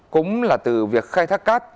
cũng là từ việc khai thác cắt